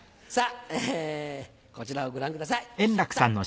こちらをご覧ください。